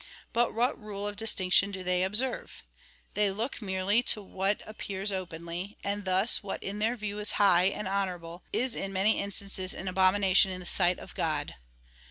But M^hat nile of distinction do they observe ? They look merely to what appears openly ; and thus what in their view is high and honourable, is in many instances an abomination in the sight of God.